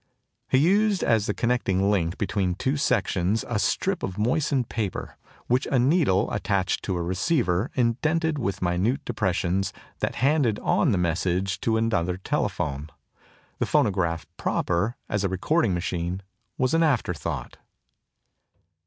He used as the connecting link between two sections a strip of moistened paper, which a needle, attached to a receiver, indented with minute depressions, that handed on the message to another telephone. The phonograph proper, as a recording machine, was an after thought.